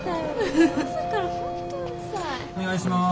お願いします。